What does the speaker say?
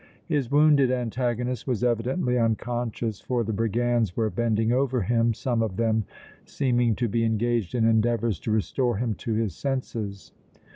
His wounded antagonist was evidently unconscious, for the brigands were bending over him, some of them seeming to be engaged in endeavors to restore him to his senses.